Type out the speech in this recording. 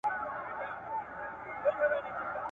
زه اوس د ښوونځی لپاره امادګي نيسم،